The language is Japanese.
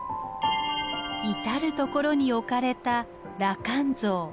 至る所に置かれた羅漢像。